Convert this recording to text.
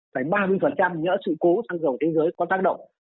phải ba mươi nhỡ sự cố thăng dầu thế giới có tác động